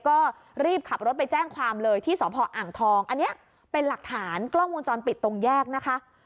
ก็รีบขับรถไปแจ้งความเลยที่สพอ่างทองอันนี้เป็นหลักฐานกล้องวงจรปิดตรงแยกนะคะ